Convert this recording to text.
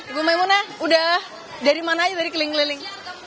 ibu maimuna udah dari mana aja dari keliling keliling